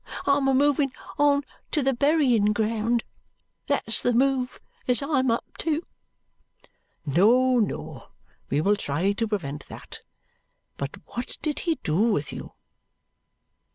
I'm a moving on to the berryin ground that's the move as I'm up to." "No, no, we will try to prevent that. But what did he do with you?"